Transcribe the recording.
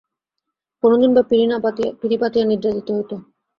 কোনোদিন বা পিঁড়ি পাতিয়া নিদ্রা দিতে হইত।